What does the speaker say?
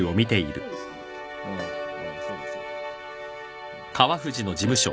ああうんそうだそうだ。